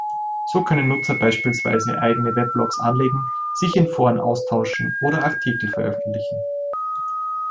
So können Nutzer beispielsweise eigene Weblogs anlegen, sich in Foren austauschen oder Artikel veröffentlichen.